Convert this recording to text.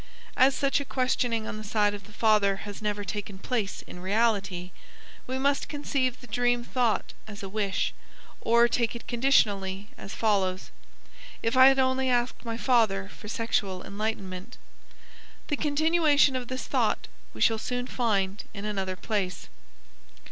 As such a questioning on the side of the father has never taken place in reality, we must conceive the dream thought as a wish, or take it conditionally, as follows: "If I had only asked my father for sexual enlightenment." The continuation of this thought we shall soon find in another place.